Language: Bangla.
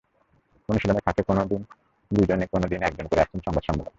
অনুশীলনের ফাঁকে কোনো দিন দুজন, কোনো দিন একজন করে আসছেন সংবাদ সম্মেলনে।